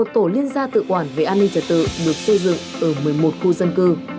một tổ liên gia tự quản về an ninh trật tự được xây dựng ở một mươi một khu dân cư